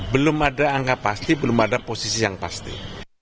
belum ada angka pasti belum ada posisi yang pasti